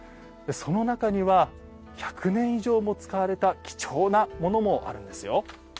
その中には１００年以上も使われた貴重なものもあるんですよ。